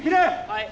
はい。